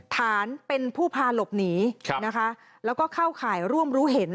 ฐานเป็นผู้พาหลบหนีนะคะแล้วก็เข้าข่ายร่วมรู้เห็น